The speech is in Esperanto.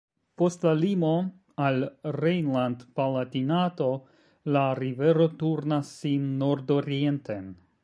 Post la limo al Rejnland-Palatinato la rivero turnas sin nordorienten.